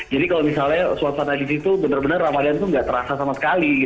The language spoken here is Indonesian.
jadi kalau misalnya suasana di situ benar benar ramadan tuh nggak terasa sama sekali